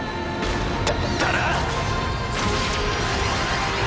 だったら！